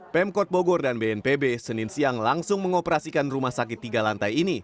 pemkot bogor dan bnpb senin siang langsung mengoperasikan rumah sakit tiga lantai ini